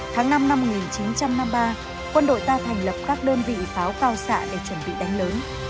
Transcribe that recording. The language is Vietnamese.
tháng năm năm một nghìn chín trăm năm mươi ba quân đội ta thành lập các đơn vị pháo cao xạ để chuẩn bị đánh lớn